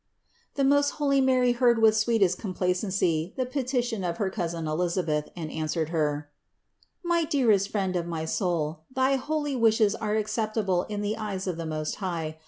263. The most holy Mary heard with sweetest com placency the petition of her cousin Elisabeth and an swered her : "Dearest friend of my soul, thy holy wishes are acceptable in the eyes of the Most High.